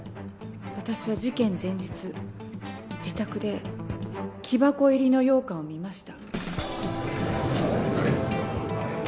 私は事件前日自宅で木箱入りの羊羹を見ました